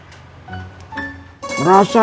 ngerasa dirinya selalu terancam